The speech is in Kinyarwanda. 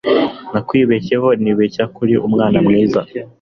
nakwibeshyeho nibeshya kuri umwana mwiza